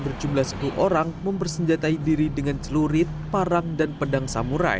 berjumlah sepuluh orang mempersenjatai diri dengan celurit parang dan pedang samurai